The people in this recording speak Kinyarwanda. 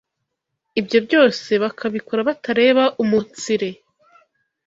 ibyo byose bakabikora batareba umunsire